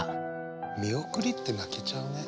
見送りって泣けちゃうね。